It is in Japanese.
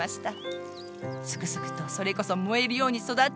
すくすくとそれこそ燃えるように育っていました。